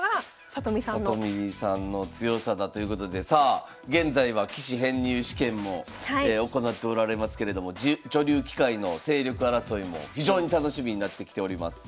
里見さんの強さだということでさあ現在は棋士編入試験も行っておられますけれども女流棋界の勢力争いも非常に楽しみになってきております。